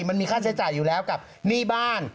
มันมีค่าใช้จ่ายอยู่แล้วกับหนี้บ้าน